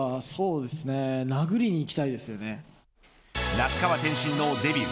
那須川天心のデビュー